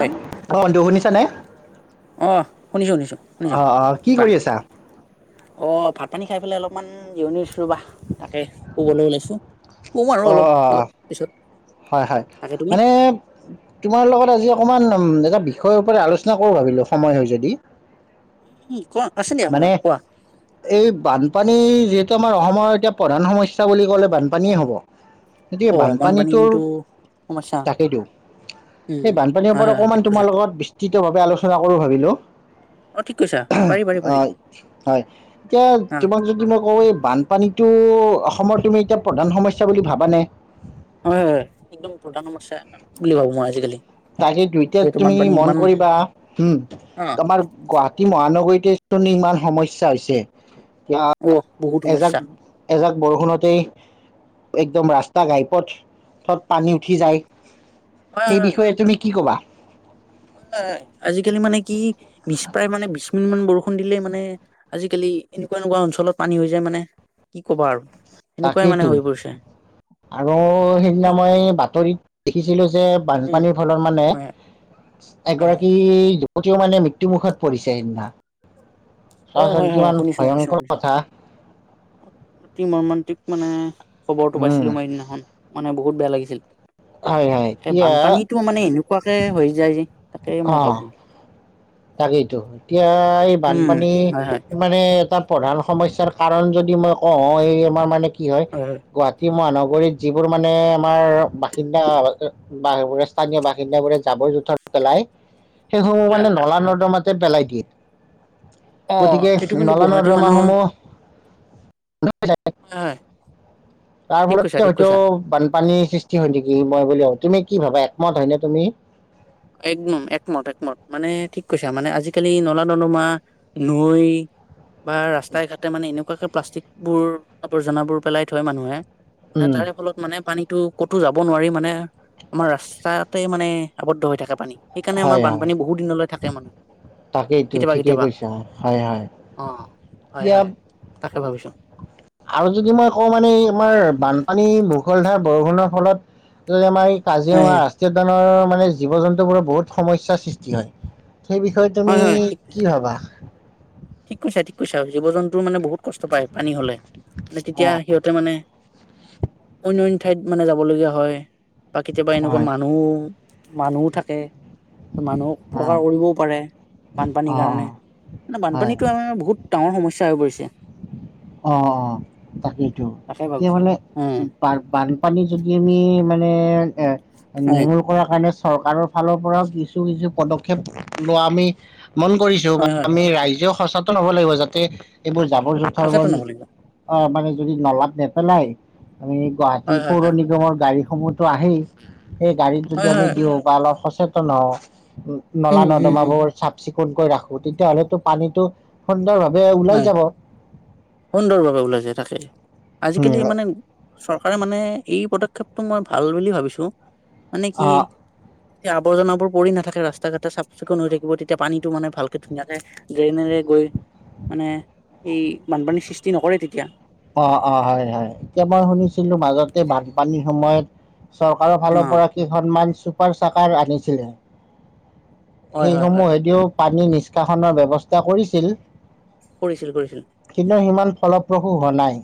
হয় অন্ত শুনিছানে অ' শুনিছো শুনিছো শুনিছো অ কি কোৱা কৰি আছা? অ' ভাত পানী খাই পেলাই অলপমান জিৰণিৰ ৰবা তাকে শুবলৈ ওলাইছো শুলো আৰু অ অলপ অ অলপ পিছত হয় হয় তাকে তুমি মানে তোমাৰ লগত আজি অকমান এটা বিষয়ৰ ওপৰত আলোচনা কৰো ভাবিলো সময় হয় যদি কোৱা আছে দিয়া মানে সময় কোৱা এই বানপানী যিহেতু আমাৰ অসমৰ এতিয়া প্ৰধান সমস্যা বুলি ক'লে বানপানীয়ে হ'ব। অঁ বানপানী কিন্ত তাকেই তো এনেই উম বানপানীৰ হয় ওপৰত হয় হয় অকমান ঠিক তোমাৰ কৈছা লগত বিস্তৃত ভাৱে আলোচনা কৰো ভাবিলো অ' ঠিক কৈছা পাৰি পাৰি অ পাৰি হয় এতিয়া হা তোমাক যদি মই কওঁ এই বানপানীটো অসমৰ তুমি এতিয়া প্ৰধান সমস্যা বুলি ভাবানে হয় হয় একদম প্ৰধান সমস্যা বুলি ভাবো মই আজিকালি তাকেই দুইটাত যিহেতু তুমি বানপানী মন ইমান কৰিবা হম হা তোমাৰ গুৱাহাটী মহানগৰীত ইমান সমস্যা হৈছে এতিয়া অ' বহুত সমস্যা এজাক এজাক বৰষুণতেই একদম ৰাস্তা ঘাইপথত পানী উঠি যায় হয় সেই হয়। বিষয়ে তুমি কি ক'বা? আজিকালি মানে কি বিশ প্ৰায় মানে বিশ মিনিট মান বৰষুণ দিলে মানে আজিকালি এনেকুৱা এনেকুৱা অঞ্চলত পানী হৈ যায় মানে কি কবা আৰু এনেকুৱাই মানে বাকীতো হৈ পৰিছে আৰু সেইদিনা মানে মই বাতৰিত দেখিছিলো যে উম বানপানীৰ ফলত মানে হয় হয় হয় এগৰাকী প্ৰতি মানে মৃত্যুমুখত পৰিছে সেই দিনা অঁ হয় হয় শুনিছো শুনিছো শুনিছো কথা অতি মৰ্মান্তিক। মানে খবৰটো উম পাইছিলো মই সেইদিনাখন মান বহুত বেয়া লিছিল হয় হয় সেই এতিয়া বানপানীতটো মানে এনেকুৱাকে হৈ যায় যে তাকেই মই ভাবোঁ তাকেইটো হয়। ই এই উম বানপানী হয় হয় মানে এ ত প্ৰধান সমস্যাৰ কাৰণ যদি মই কওঁ এই আমাৰ মানে কি হয় গুৱাহাটী মহানগৰ নগৰীত যিবোৰ মানে আমাৰ বাসিন্দা স্থানীয় বাসিন্দা বোৰে জাবৰ জোথত পেলায় সেইসমূহ মানে হয় হয় হয় নলা হয়। মতে পেলাই দিয়ে অ গতিকে এইটো কিন্তু নাল গুৱাহাটী মানুহৰ নৰ্দৰমাসমূহ। হয় হয় তাৰ ঠিক কৈছা ফলতে ঠিক হয়তো কৈছা বানপানীৰ সৃষ্টি হয় নেকি মই বুলি তুমি কি ভাবা একমত হয়নে তুমি। একদম একমত একমত মানে ঠিক কৈছা মানে আজিকালি নলা নদমা নৈ বা ৰাস্তাই ঘাটে মানে এনেকুৱাক প্লাষ্টিক বোৰ আৰ্জনা বোৰ পেলাই থয় মানুহে উম তাৰে ফলত মানে পানী তো ক'তো যাব নোৱাৰি মানে আমাৰ ৰাস্তাতে মানে আৱদ্ধ হৈ থাকে লেতেৰা পানী সেইকাৰণে আমাৰ হয় হয় বানপানী বহুত দিনলৈ থাকে মানে তাকেইতো কেতিয়াবা ঠিকেই কেতিয়াবা কৈছা হয় হয় অ হয় এতিয়া হয় তাকে ভাবিছোঁ আৰু যদি মই কওঁ মানে এই আমাৰ বানপানী মোকলধাৰ বৰষুণৰ ফলত আমাৰ হয় কাজিৰঙা হয় ৰাষ্ট্ৰীয় উদ্যানৰ মানে জীৱ জন্তুবোৰৰ বহুত সমস্যাৰ সৃষ্টি হয় সেই বিষয়ে তুমি হয় হয় ঠিক কৈছা কি ভাবা ঠিক কৈছো ঠিক কৈছো জীৱ জন্তুৰ মানে বহুত কষ্ট পায় পানী হলে তেতিয়া সিহঁতে মানে অনয়্য ঠাইত মানে যাব লগীয়া হয় বা কেতিয়াবা এনেকুৱা হয় মানুহ মানুহ থাকে মানুহক অ', উপকাৰ কৰিবও পাৰে অ', বানপানীৰ অ', কাৰণে হয় বানপানী বহুত ডাঙৰ সমস্যাৰ হৈ পৰিছে অ অ তাকেইতো আৰু তাকে এতিয়া ভাবিছো মানে উম বানপানী যদি আমি মানে এ হয় নিৰ্মূল কৰাৰ কাৰণে চৰকাৰৰ ফালৰ পৰাও কিছু কিছু পদক্ষেপ লোৱা আমি মন কৰিছো বা হয় হয় হয় আমি ৰাইজেক সঁচা একতা হব লাগিব যাতে এইবোৰ জাৱৰ জোথৰ সচেতন কাৰ্বন হ'ব লাগিব অ‌‌ মানে যদি নলাত নেপেলাই আমি গুৱাহাটী হয় হয় পৌৰ হয় নিগমৰ গাড়ী সময়তো আহেই সেই গাড়ীত যদি হয় আমি হয় দিওঁ বা অলপ সচেতন ত ন নলা উম হম হম নৰ্দমাবোৰ চাফ চিকুণ সোনকৈ ৰাখো তেতিয়াহলেতো পানীটো সুন্দৰভাৱে ওলাই যাব সুন্দৰভাৱে ওলাই যায় তাকে আজিকালি উম মানে চৰকাৰে মানে এই পদক্ষেপটো মই ভাল বুলি ভাবিছো। মানে কি। অ এতিয়া আৱৰ্জনাবোৰ পৰি নাথাকে ৰাস্তা ঘাটটা চাফ চিকুণ হৈ থাকিব তেতিয়া পানীতটো মানে ভালকে ধুনীয়াকে ড্ৰেইনেৰে গৈ। মানে সেই বানপানীৰ সৃষ্টি নকৰে তেতিয়া। অ অ হয় হয় এতিয়া মই শুনিছিলো মাজতে বানপানীৰ সময়ত। চৰকাৰৰ অ ফালৰ পৰা কি সন্মান। ছুপাৰ চকাৰ আনিছিলে। হয় সেই হয় হয় সমূহ এদিও। পানী নিষ্কাশনৰ ব্যৱস্থা কৰিছিল। কৰিছিল কৰিছিল। অলপ প্ৰ। শু হ নাই।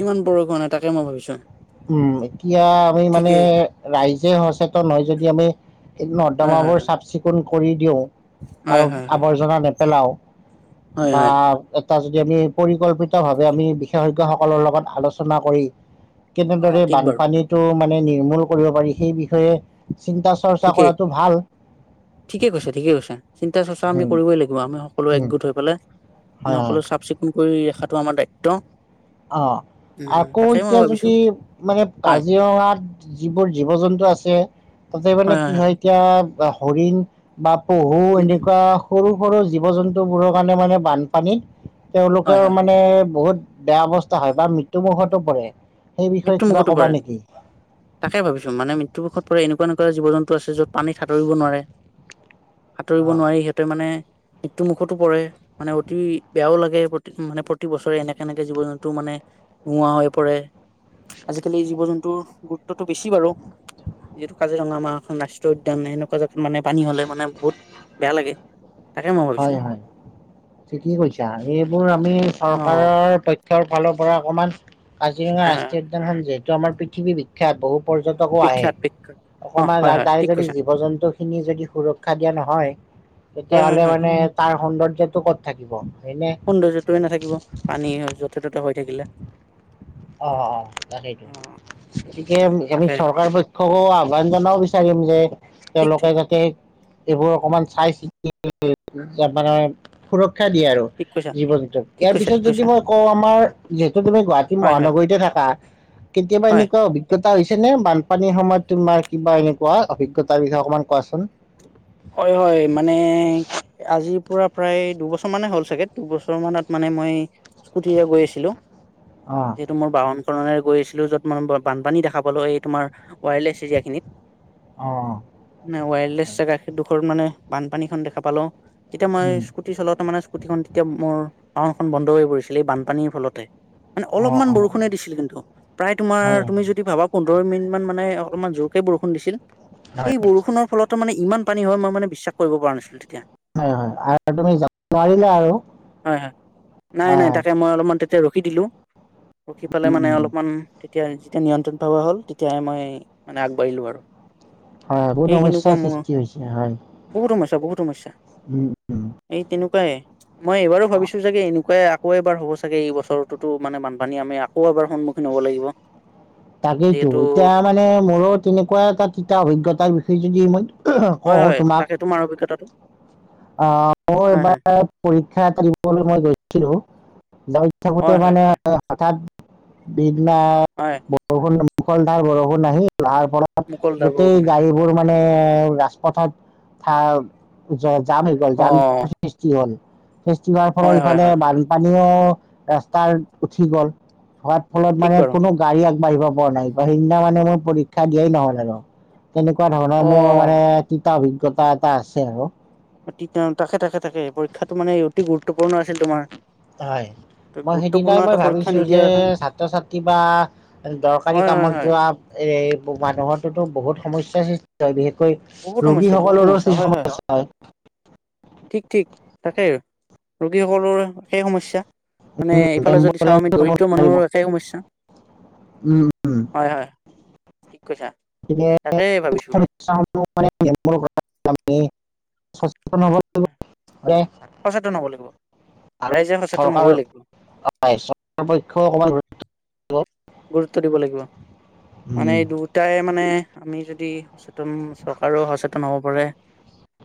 ইমান বৰষুণ তাকে মই ভাবিছো উম এতিয়া আমি মানে ঠিকেই ৰাইজে সচেতন হয় যদি আমি এই হয় হয় নৰ্দমাবোৰ চাফ চিকুণ। কৰি দিওঁ। আৰু হয় হয় হয় হয় আৱৰ্জনা নে। পেলাও। হয় হয় বাও। যদি আমি পৰিকল্পিত ভাৱে আমি বিশেষজ্ঞ সকলৰ লগত আলোচনা কৰি। অ কেনেদৰে ঠিক বাৰু বানপানীতটো মানে। নিৰ্মূল কৰিব পাৰি সেই বিষয়ে। চিন্তা চৰ্চা ঠিকেই কৰাটো ভাল ঠিকেই কৈছে ঠিকে কৈছে চিন্তা চৰ্চা আমি উম, কৰিবই লাগিব আমি সকলো উম, একগোট হৈ পেলাই। মানে হয় হয় সকলো চাফ চিকুণ কৰি ৰখাটো আমাৰ দায়িত্ব। টো। অ আকৌ এতিয়া ভাবিছো যদি মানে হয় কাজিৰঙাত যিবোৰ জীৱ জন্তু আছে। তাতে মানে কি হয় এতিয়া। বা হৰিণ। বা পহু এনেকুৱা সৰু। ৰু সৰু জীৱ জন্তুবোৰৰ কাৰণে মানে বানপানী। তেওঁলোকে হয় হয় মানে বহুত। বেয়া অৱস্থা হয় বা মৃতুমখতো পৰে। সেই বিষয়ে মৃত্যু কিবা মুুখতো ক'বা পৰে নেকি? তাকে ভাবিছো মানে মৃত্যু মুুখত পৰে এনেকুৱা নহয়। জীৱনতটো আছে যত। পানী সাঁতুৰিব নোৱাৰে। সাঁতুৰিব অ', নোৱাৰি সিহঁতে মানে। মৃত্যু মুুখতো পৰে মানে অতি বেয়াও লাগে প্ৰতি মানে প্ৰতি বছৰে এনেকে এনেকে জীৱ জন্তু মানে নোহোৱা হৈ পৰে। আজিকালি জীৱ জন্তুৰ গুৰুত্বটো বেছি বাৰু যিহেতু কাজিৰঙা আমাৰ এখন ৰাষ্ট্ৰীয় উদ্যান এেনেকুৱা জেগাত মানে পানী হলে মানে বহুত বেয়া লাগে। তাকে মই ভাবিছো হয় হয় কি কৈছা এইবোৰ আমি অ চৰকাৰৰ তথ। ৰ ফালৰ পৰা অকণমান। কাজিৰঙা ৰাষ্ট্ৰীয় উদ্যানখন যে। যমাৰ পৃথিবী বিখ্যাত বহু। পৰ্যটকো আহে বিখ্যাত বিখ্যাত অ অকমান হয় হয় তাৰে ঠিক যদি কৈছা জীৱ জন্তু খিনি যদি সুৰক্ষা দিয়া নহয় হয় হয় তেতিয়াাহ'লে হয় ম। তাৰ সৌন্দৰ্যটো ক'ত থাকিব। হয়নে সৌন্দৰ্যটোয়ে নাথাকিব পানী যথে ততে হৈ থাকিলে? অ অ তাকেইটো অ গতিকে আমি তাকে চৰকাৰ পক্ষকো আহ্বান জনাব বিচাৰিম যে ঠিক তেওঁলোকে ঠিক যাতে। এইবোৰ অকমান চাই চিতি মানে সুৰক্ষী। শিক্ষা দিয়ে আৰু ঠিক কৈছা জীৱ জন্তক ঠিক ইয়াৰ কৈছা পিছত ঠিক যদি কৈছা মই কওঁ আমাৰ যিহেতু তুমি গুৱাহাটী। হয় হয় মহানগৰীতে থাকা কেতিয়াবা হয় এনেকুৱা অভিজ্ঞতা। এটা হৈছে নে বানপানীৰ সময়ত তোমাৰ কিবা এনেকুৱা অভিজ্ঞতাৰ বিষয়ে অকমান কোৱাচোন? হয় হয় মানে আজিৰ পুৰা। প্ৰায় দুবছৰ মানে হ'ল চাগে দুবছৰ মানত মানে মই স্কুটিৰে গৈ আছিলো? অ যিহেতু মোৰ বাহন। কাৰণে গৈ আছিলো যত মান বানপানী দেখা পালো এই তোমাৰ। ৱায়াৰলেছ এৰিয়াখিনিত। অ ন ৱায়াৰলেছ গাখীৰ দুখৰ মানে। বানপানী খন দেখা পালো। তেতিয়া মই উম স্কুটি চলাওঁতে মানে স্কুটিখন তেতিয়া মোৰ। বাওনখন বন্ধ হৈ পৰিছিল এই বানপানীৰ ফলতে। মানে অ অলপমান অ অ বৰষুণে দিছিল কিন্তু প্ৰায় হয় তোমাৰ তুমি যদি ভাবা পোন। পোন্ধৰ মিনিট মানে অলপমান জোৰকে বৰষুণ দিছিল? হয় সেই বৰষুণৰ ফলত। ত মে ইমান পানী হয় মই মানে বিশ্বাস কৰিব পৰা নাছিলো? তেতিয়া হয় হয় তুমি যাব নোৱাৰিলা আৰু হয় হয় নাই হয় নাই হয়। তাকে মই অলপমান তেতিয়া ৰখি দিলোঁ ৰখি পালাই উম, মানে উম। অলপমান। তেতিয়া যেতিয়া নিয়ন্ত্ৰণ ভাৱা হ'ল তেতিয়াহে মই মানে আগবাঢ়িলো আৰু। হয় ৰ'দ এই সেনেকুৱা সমস্যাৰ মোৰ সৃষ্টি হৈছে হয়। বহুত সমস্যা বহুত সমস্যা। উম, উম। এই তেনেকুৱা পায় মই এইবাৰো ভাবিছো যে এনেকুৱ আকৌ এবাৰ হ'ব চাগে এই বছৰটোত মানে বানপানী আমি আকৌ এবাৰ সন্মুখীন হ'ব লাগিব তাকেইতো যিহেতু এতিয়া মানে মোৰো তেনেকুৱা এটা তিতা অভিজ্ঞতাৰ বিষয়ে সেই যদি ইমান হয় হয় তাকে‌ তোমাৰ অভিজ্ঞতাটো? আহ মই হয় হয় এবাৰ পৰীক্ষা এটা দিবলৈ মই গৈছিলো গাড়ীত থাকোতে হয় হয় মানে হয় হঠাৎ ব [unintelligible] নাই হয় বৰষুণ নামিব মুখলধাৰ বৰষুণ নাহি তাৰ পৰা মুকলদাৰ গোটেই বৰষুণে গাড়ীবোৰ মানে অ অ অ ৰাজপথত থাৰ য জাম‌‌ হৈ গল অ জাম সৃষ্টি হ'ল। ফেষ্টিভাৰ ফৰে হয় হয় ইফালে হয় হয় বানপানীও ৰাস্তাৰ উঠি গ'ল হাৱাত ফলত ঠিক মানে বাৰু কোনো গাড়ী বাঢ়িব পৰা নাই ব সিদিনা মানে মোৰ পৰীক্ষা দিয়াই নহল আৰু তেনেকুৱা ধৰণৰ অ মোৰ মানে এটা অভিজ্ঞতা এটা আছে আৰু তাকে তাকে তাকে পৰীক্ষাটো মানে অতি গুৰুত্বপূৰ্ণ আছিল তোমাৰ হয় মই গুৰুত্বপূৰ্ণ সেইদিনাই মই এটা পৰীক্ষা ভাবিছো যে নিদিয়াৰ কাৰণে ছাত্ৰ ছাত্ৰী বা দৰকাৰী হয় হয় কামত হয় যোৱা এ মানুহৰ তোতো‌ বহুত সমস্যা সৃষ্টি হয় বিশেষ বহুত সমস্যা বহুত ৰোগীসকলৰো হয় সমস্যা সৃষ্টি হয়। ঠিক ঠিক তাকে ৰোগীসকলৰ একেই সমস্যা মানে এইফালে যদি চাওঁ আমি এম্বুলেঞ্চো যাব দৰিদ্ৰ নোৱাৰিব মানুহৰ একে সমস্যা উম, উম। হয় হয় ঠিক যে [inaudible] [inaudible] হয় হয় কৈছা তাকে [unintelligible] ভাবিছো সচেতন হব লাগিব আৰু ৰাইজে সচেতন চৰকাৰ হবই লাগিব চৰকাৰ পক্ষও অকমান দিব। গুৰুত্ব দিব লাগিব মানে উম, এই দুয়োটাই মানে। আমি যদি সচেতন চৰকাৰেও সচেতন হ'ব পাৰে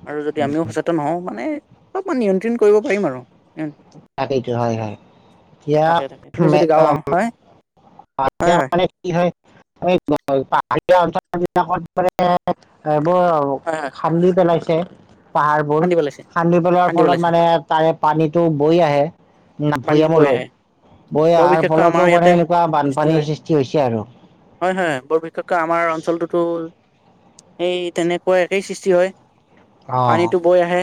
আৰু যদি আমিও সচেতন হওঁ মানে অলপমান নিয়ন্ত। নিয়ন্ত্ৰণ কৰিব পাৰিম আৰু তাকেইতো হয় হয় এতিয়া তাকে তাকে তুমি যদি মে- গা অ হয়। হয় হয় মানে কি হয়? পাহাৰীয়া অঞ্চল বিলাকত ম এ বৰ হয় হয় খান্দি পেলাইছে। পাহাৰবোৰ খান্দি পেলাইছে খান্দি পেলোৱাৰ ফলত মানে তাৰে পানীতটো বৈ আহে। ন পানীটো ভৈয়াম, বৈ লয় আহে বৈ বৰ বিশেষকৈ আমাৰ ফলতো মানে ইয়াতে এ। সৃষ্টি হয় হয় হয় বৰ বিশেষকৈ আমাৰ অঞ্চলটোতো। সেই তেনেকুৱা একেই সৃষ্টি হয়। অ পানীতো বৈ আহে।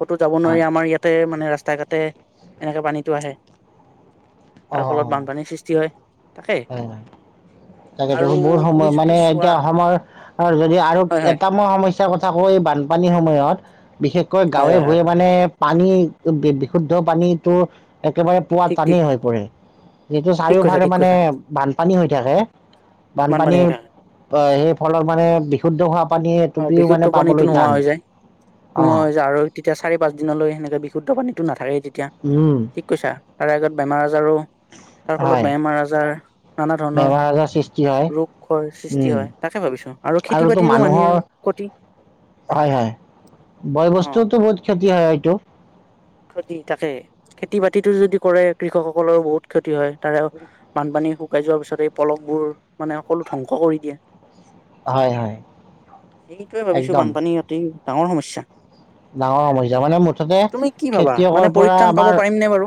ক'তো যাব হয় নোৱাৰি আমাৰ ইয়াতে মানে ৰা। ৰাস্তা ঘাটে এনেকে পানী। আহে। অ অ তাৰ ফলত বানপানীৰ সৃষ্টি হয়। তাকে হয় তাকেতো আৰু বহুত তুমি সময় যদি মানে চোৱা এতিয়া অসমৰ যদি আৰু হয় হয় এটা মই সমস্যা। ইচ্ছ কথা কওঁ এই বানপানী সময়ত। বিশেষকৈ হয় গাঁৱে হয় হয় ভূঞে মানে। পানী বিশুদ্ধ পানীটো। একেবাৰে পোৱা ঠিক টানি ঠিক হৈ পৰে। যিটো ঠিক কৈছা চাৰিওফালে ঠিক মানে। কৈছা পানী হৈ থাকে। বানপানী বানপানীৰ হৈ থাকে সেই ফলত মানে বিশুদ্ধ হোৱা। অ বিশুদ্ধ পানীতো নোহোৱা হৈ যায়, অ নোহোৱা হৈ যায় আৰু তেতিয়া চাৰি পাঁচ, দিনলৈ সেনেকে বিশুদ্ধ পানীতো নাথাকেই। তেতিয়া উম ঠিক কৈছা। তাৰে আগত বেমাৰ আজাৰো। তাৰ ফলত হয় বেমাৰ আজাৰ নানা ধৰণৰ বেমাৰ আজাৰ সৃষ্টি হয় ৰোগ হয়, সৃষ্টি উম হয় তাকে ভাবিছো আৰু খেতি আৰুতো বাতিৰো মানিৰ। মানুহৰ ক্ষতি হয় হয় বয় অ', বস্তুওটো বহুত ক্ষতি। কি হয় এইটো। ক্ষতি থাকে। খেতি বাতিতো যদি কৰে কৃষকসকলৰ বহুত ক্ষতি হয় তাৰে বানপানী শুকাই যোৱাৰ পিছত এই পলকবোৰ মানে সকলো ধ্বংস কৰি দিয়ে। হয় হয় সেইটোৱে ভাবিছো একদম বানপানী সিহঁতি। ডাঙৰ সমস্যা ডাঙৰ সমস্যা মানে মুঠতে তুমি কি ভাবা খেতিয়কৰ মানে পৰা পৰিত্ৰাণ পাব আমাৰ পাৰিম নে বাৰু?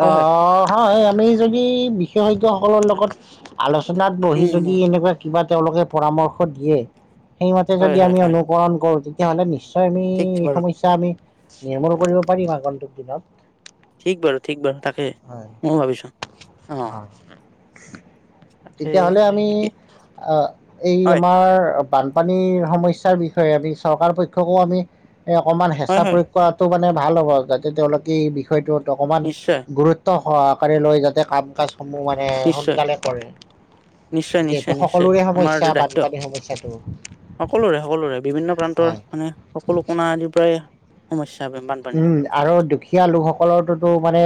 হয় হয় আহ হয় আমি যদি বিশেষজ্ঞসকল লগত আলোচনা বিচনাত বহি উম যদি উম এনেকুৱা কিবা তেওঁলোকে পৰামৰ্শ দিয়ে। সেইমতে হয় যদি হয় আমি হয় অনুকৰণ কৰো। তেতিয়া হ'লে নিশ্চয় আমি ঠিক এই বাৰু সমস্যা আমি নিয়মনো কৰিব পাৰিম আগন্তক দিনত। ঠিক বাৰু ঠিক বাৰু তাকে হয় মইও ভাবিছোঁ অ উ তাকে তেতিয়া হ'লে আমি ঠিকে আহ এই হয় আমাৰ বানপানীৰ সমস্যাৰ বিষয়ে আমি চৰকাৰ পক্ষকো আমি। এই অকণমান হয় হেঁচা হয় প্ৰয়োগ কৰাটো মানে। ভাল হ'ব যাতে তেওঁলোকে এই বিষয়টোত অকমান নিশ্চয় গুৰুত্ব সহকাৰে লৈ যাতে কাম কাজ নিশ্চয় নিশ্চয় যিহেতু নিশ্চয় নিশ্চয় সকলোৰে আমাৰ সমস্যা দায়িত্ব বানপানীৰ সমস্যাটো সকলোৰে সকলোৰে বিভিন্ন প্ৰান্তৰ হয় মানে সকলো কোণা আদি। প্ৰায় সমস্য উম আৰু দুখীয়া লোকসকল। অলাটোত মানে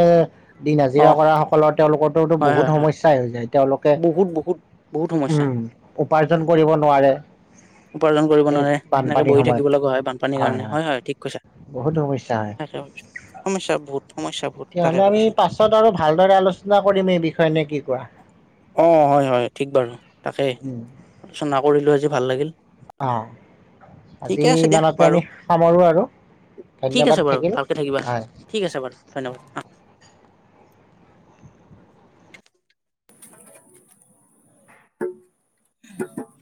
দিন অ হাজিৰা কৰা সকলৰ তেওঁলোকৰ। তো হয় হয় বহুত হয় সমস্যাই হৈছে তেওঁলোকে বহুত বহুত বহুত সমস্যা উম উপাৰ্জন কৰিব নোৱাৰে উপাৰ্জন কৰিব এই নোৱাৰে সেনেকে বানপানীৰ বহি সময়ত থাকিব লগা হয় বানপানীৰ হয় কাৰণে হয় ঠিক কৈছা বহুত সমস্যা। তাকে ভাবিছো সমস্যা বহুত সমস্যা বহুত তাকে তেতিয়াহ'লে আমি ভাবিছো পাছত আৰু ভালদৰে আলোচনা কৰিম এই বিষয়ে নে কি কোৱা। অ হয় হয় ঠিক বাৰু তাকেই উম, আলোচনা কৰিলো আজি ভাল লাগিল অ' আজি ঠিকে আছে দিয়া ইমানতে আমি বাৰু। সামৰো আৰু ঠিক ধন্যবাদ আছে বাৰু থাকিল ভালকৈ থাকিবা হয়। ঠিক আছে বাৰু ধন্যবাদ হ উং উং